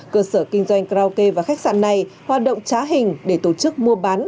cơ sở kinh doanh karaoke và khách sạn này hoạt động trá hình để tổ chức mua bán